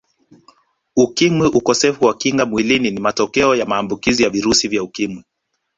Ukimwi Ukosefu wa Kinga Mwilini ni matokea ya maambukizi ya virusi vya Ukimwi